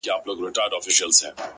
كلي كي ملا غواړم چي تا غواړم.!